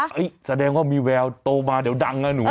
แสดงว่ามีแววโตมาเดี๋ยวดังนะหนู